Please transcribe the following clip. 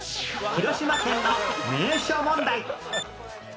広島県の名所問題